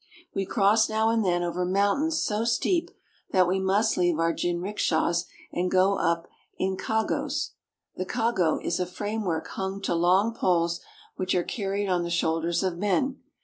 We cross now and then over mountains so steep that we must leave our jinrikishas and go up in kagos (ka'gos). The kago is a framework hung to long poles which are carried on the shoulders of men.